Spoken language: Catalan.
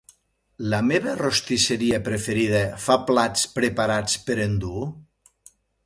La meva rostisseria preferida fa plats preparats per endur?